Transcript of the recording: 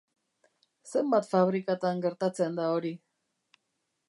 Zenbat fabrikatan gertatzen da ori?